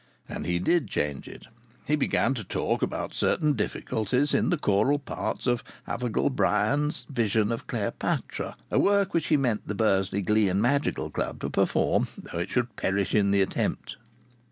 And he did change it. He began to talk about certain difficulties in the choral parts of Havergal Brian's Vision of Cleopatra, a work which he meant the Bursley Glee and Madrigal Club to perform though it should perish in the attempt.